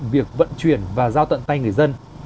việc vận chuyển và giao tận tay người dân